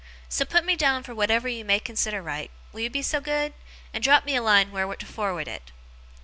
So, put me down for whatever you may consider right, will you be so good? and drop me a line where to forward it.